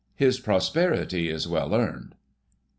His prosperity is well earned.